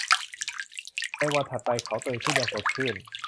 ในวันถัดไปเขาตื่นขึ้นอย่างสดชื่น